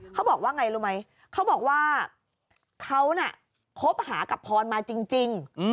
เขาบอกว่าไงรู้ไหมเขาบอกว่าเขาน่ะคบหากับพรมาจริง